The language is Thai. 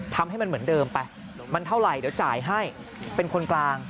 ทำให้มันเหมือนเดิมไปมันเท่าไหร่เดี๋ยวจ่ายให้เป็นคนกลาง